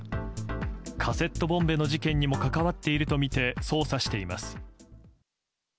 カセットボンベの事件にも関わっているとみて捜査しています。